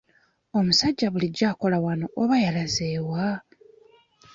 Omusajja bulijjo akola wano oba yalaze wa?